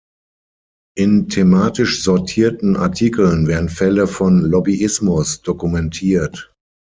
In thematisch sortierten Artikeln werden Fälle von Lobbyismus dokumentiert.